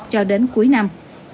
cho đến cuối năm